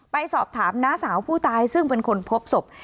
ไปสอบถามน้าสาวผู้ตายซึ่งเป็นคนพบศพ